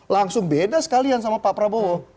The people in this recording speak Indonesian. langsung beda sekalian sama pak prabowo